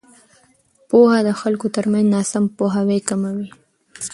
پوهه د خلکو ترمنځ ناسم پوهاوی کموي.